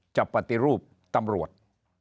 ปฏิรูปตำรวจ